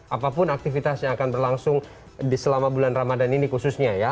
apapun aktivitas yang akan berlangsung di selama bulan ramadan ini khususnya ya